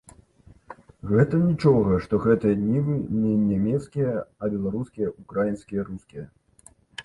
Гэта нічога, што гэтыя нівы не нямецкія, а беларускія, украінскія, рускія.